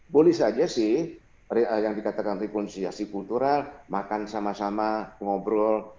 boleh saja sih yang dikatakan rekonsiliasi kultural makan sama sama ngobrol